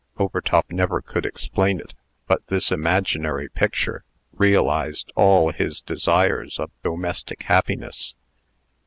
Overtop never could explain it; but this imaginary picture realized all his desires of domestic happiness.